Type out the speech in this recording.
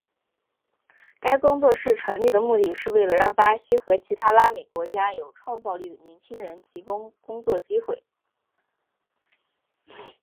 该工作室成立的目的是为了让巴西和其他拉美国家的有创造力的年轻人提供工作机会。